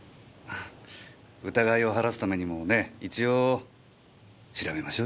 疑いを晴らすためにもね一応調べましょうよ。